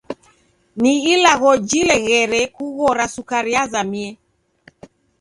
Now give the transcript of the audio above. Ni ilagho jileghere kughora sukari yazamie.